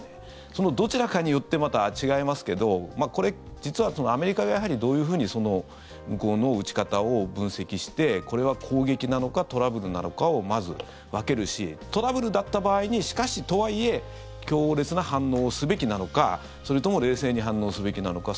そのどちらかによってまた違いますけどこれ、実はアメリカがどういうふうに向こうの撃ち方を分析してこれは攻撃なのかトラブルなのかをまず分けるしトラブルだった場合にしかし、とはいえ強烈な反応をすべきなのかそれとも冷静に反応すべきなのか